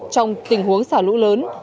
trong tình huống xả lũ lớn